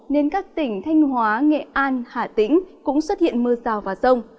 nên các tỉnh thanh hóa nghệ an hà tĩnh cũng xuất hiện mưa rào và rông